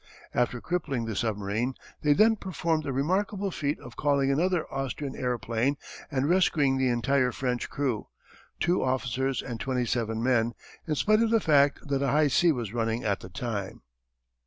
After crippling the submarine they then performed the remarkable feat of calling another Austrian seaplane and rescuing the entire French crew, two officers and twenty seven men, in spite of the fact that a high sea was running at the time."